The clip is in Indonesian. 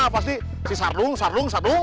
pasti si sardung sardung